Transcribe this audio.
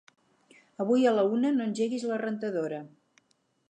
Avui a la una no engeguis la rentadora.